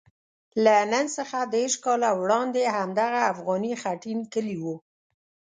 له نن څخه دېرش کاله وړاندې همدغه افغاني خټین کلی وو.